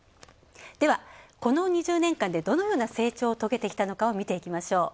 では、この２０年間でどのような成長を遂げてきたのかを見ていきましょう。